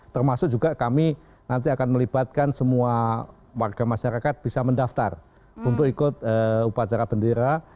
termasuk juga kami nanti akan melibatkan semua warga masyarakat bisa mendaftar untuk ikut upacara bendera